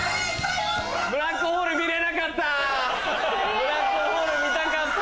ブラックホール見たかった。